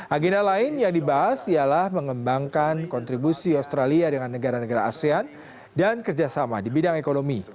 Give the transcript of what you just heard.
agenda lain yang dibahas ialah mengembangkan kontribusi australia dengan negara negara asean dan kerjasama di bidang ekonomi